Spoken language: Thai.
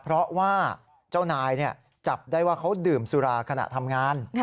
เพราะว่าเจ้านายจับได้ว่าเขาดื่มสุราขณะทำงาน